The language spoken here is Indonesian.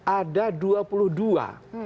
ada dua puluh dua